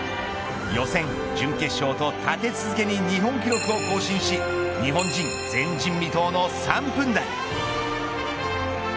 予選、準決勝と立て続けに日本記録を更新し日本人前人未到の３分台。